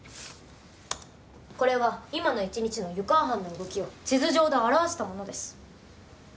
これは今の１日の湯川班の動きを地図上で表わしたものです。